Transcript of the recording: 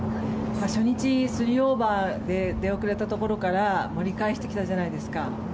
初日、３オーバーで出遅れたところから盛り返してきたじゃないですか。